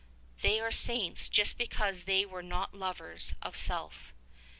They are saints just because they were not lovers of self.